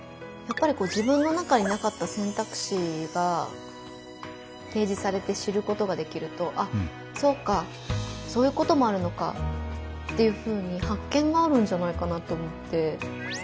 やっぱり自分の中になかった選択肢が提示されて知ることができるとあっそうかそういうこともあるのかっていうふうに発見があるんじゃないかなと思って。